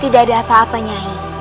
tidak ada apa apanya